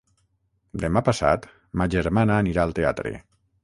Demà passat ma germana anirà al teatre.